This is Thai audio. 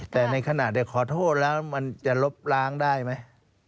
แต่ในขณะขอโทษแล้วมันจะลบล้างได้ไหม